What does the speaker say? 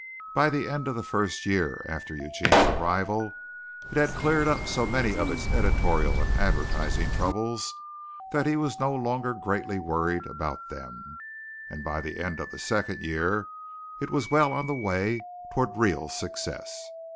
By the end of the first year after Eugene's arrival it had cleared up so many of its editorial and advertising troubles that he was no longer greatly worried about them, and by the end of the second year it was well on the way toward real success.